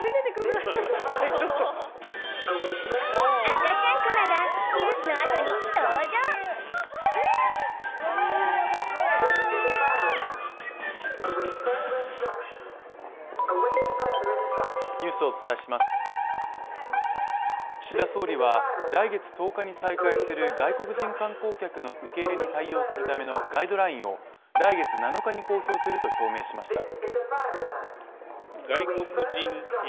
赤ちゃんクマがニュースのあとに登場かわいいかわいい岸田総理は来月１０日に再開する外国人観光客の受け入れに対応するためのガイドラインを来月７日に公表すると表明しました。